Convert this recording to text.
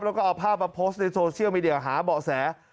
แล้วก็เอาภาพมาโพสต์ในโซเชียลมีเดียหาเบาะแส